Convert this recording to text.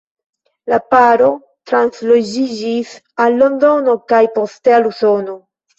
La paro transloĝiĝis al Londono kaj poste al Usono.